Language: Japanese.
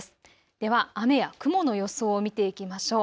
では雨や雲の予想を見ていきましょう。